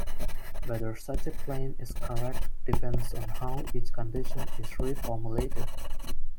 Whether such a claim is correct depends on how each condition is reformulated.